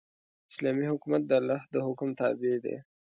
اسلامي حکومت د الله د حکم تابع دی.